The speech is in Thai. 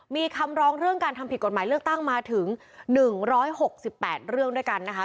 มีคำร้องเรื่องการทำผิดกฎหมายเลือกตั้งมาถึง๑๖๘เรื่องด้วยกันนะคะ